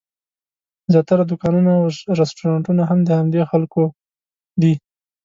زیاتره دوکانونه او رسټورانټونه هم د همدې خلکو دي.